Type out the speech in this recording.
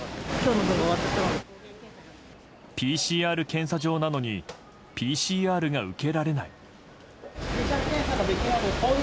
ＰＣＲ検査場なのにＰＣＲが受けられない。